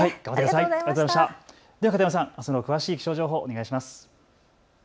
では片山さん、あすの詳しい気象情報をお願いします。